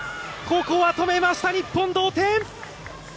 ここは止めました、日本同点。